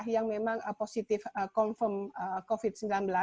yang memang positif confirm covid sembilan belas